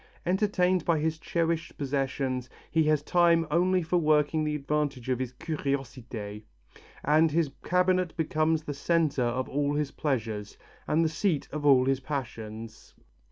Entertained by his cherished possessions, he has time only for working at the advance of his curiosité, and his cabinet becomes the centre of all his pleasures, and the seat of all his passions."